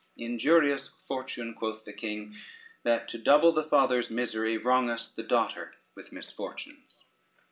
"Injurious fortune," quoth the king, "that to double the father's misery, wrongest the daughter with misfortunes!"